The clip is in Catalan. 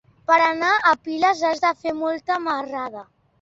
Per anar a Piles has de fer molta marrada.